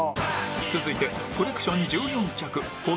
続いてコレクション１４着小峠